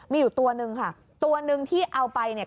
มีอยู่ตัวนึงค่ะตัวหนึ่งที่เอาไปเนี่ย